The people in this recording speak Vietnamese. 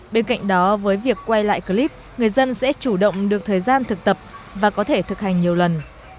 bên cạnh đó với việc quay lại clip người dân sẽ chủ động được thời gian thực tập và có thể thực hành nhiều lần